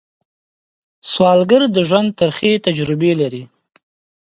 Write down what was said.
سوالګر د ژوند ترخې تجربې لري